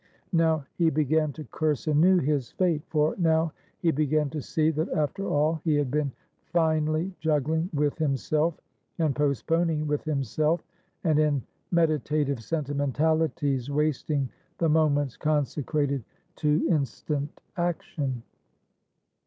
Now he began to curse anew his fate, for now he began to see that after all he had been finely juggling with himself, and postponing with himself, and in meditative sentimentalities wasting the moments consecrated to instant action.